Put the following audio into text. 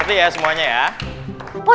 kan tidak berpengalaman loh